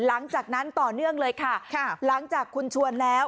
หลังจากนั้นต่อเนื่องเลยค่ะค่ะหลังจากคุณชวนแล้ว